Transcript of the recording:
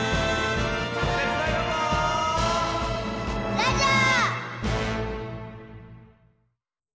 ラジャー！